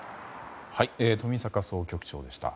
冨坂総局長でした。